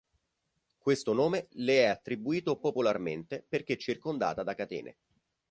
Questo nome le è attribuito popolarmente, perché circondata da catene.